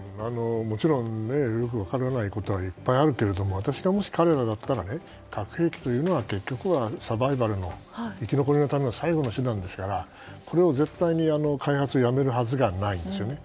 もちろんよく分からないことはいっぱいあるけど私がもし彼らだったら核兵器というのは結局はサバイバルの生き残りのための最後の手段ですからこれは絶対に開発をやめるはずがないんですよね。